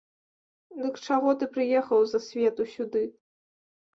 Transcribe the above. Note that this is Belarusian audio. Дык чаго ты прыехаў з-за свету сюды?